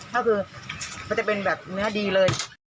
ก็คือมันจะเป็นแบบเนื้อดีเลย